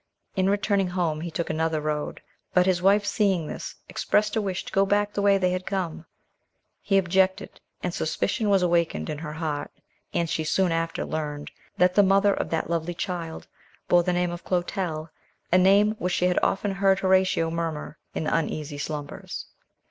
In returning home, he took another road; but his wife seeing this, expressed a wish to go back the way they had come. He objected, and suspicion was awakened in her heart, and she soon after learned that the mother of that lovely child bore the name of Clotel, a name which she had often heard Horatio murmur in uneasy slumbers.